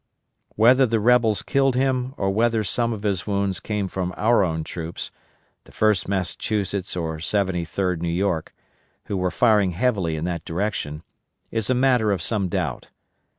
Whether the rebels killed him, or whether some of his wounds came from our own troops, the 1st Massachusetts or 73d New York, who were firing heavily in that direction, is a matter of some doubt.